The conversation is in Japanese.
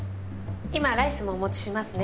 今ライスもお持ちしますね。